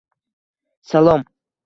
Salom.